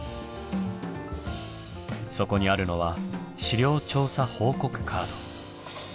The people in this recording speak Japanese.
そこにあるのは「資料調査報告カード」。